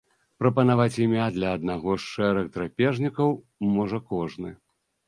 Прапанаваць імя для аднаго з шэрых драпежнікаў можа кожны.